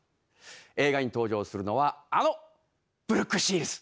映画に登場するのはあのブルック・シールズ。